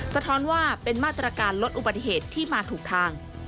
สะท้อนว่าเป็นมาตรการลดอุบัติเหตุที่มาถูกทาง